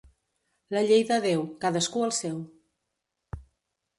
La llei de Déu: cadascú el seu.